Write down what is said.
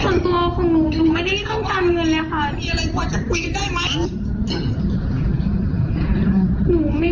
เพราะว่าหนูสองคนก็จะรู้ว่าเรื่องมันเป็นยังไง